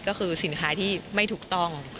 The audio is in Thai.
ก็คือสินค้าที่ไม่ถูกต้อง